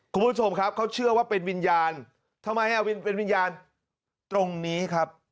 คุณผู้ชมครับเขาเชื่อว่าเป็นวิญญาณทำไมเป็นวิญญาณตรงนี้ครับ